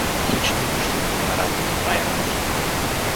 — Хич не мисля тия работи, бай Ради.